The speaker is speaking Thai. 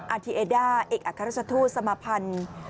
อาทิเอด้าเอกอักษฎุสมพันธ์